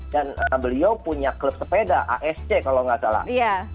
dan beliau punya klub sepeda asc kalau nggak salah